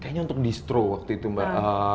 kayaknya untuk distro waktu itu mbak